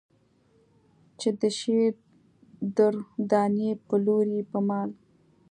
چې د شعر در دانې پلورې په مال.